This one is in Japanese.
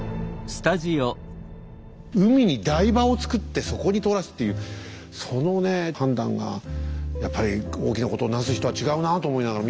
海に台場を造ってそこに通らすっていうそのね判断がやっぱり大きなことを成す人は違うなと思いながら見てましたけどね。